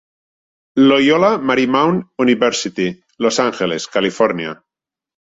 Loyola Marymount University, Los Angeles, Califòrnia.